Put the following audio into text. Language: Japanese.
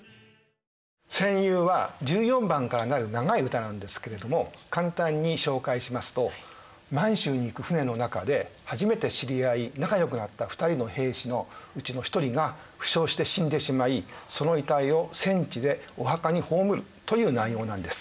「戦友」は１４番から成る長い歌なんですけれども簡単に紹介しますと「満州に行く船の中で初めて知り合い仲よくなった２人の兵士のうちの一人が負傷して死んでしまいその遺体を戦地でお墓に葬る」という内容なんです。